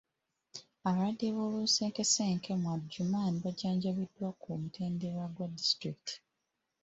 Abalwadde b'olunkusense mu Adjumani bajjanjabibwa ku mutendera gwa disitulikiti.